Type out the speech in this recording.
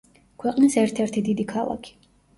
ქვეყნის ერთ-ერთი დიდი ქალაქი.